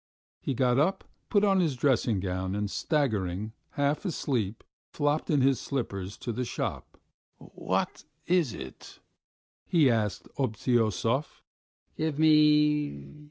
He got up, put on his dressing gown, and staggering, half asleep, flopped in his slippers to the shop. "What ... is it?" he asked Obtyosov. "Give me